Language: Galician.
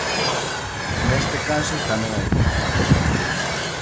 Neste caso tamén hai límites.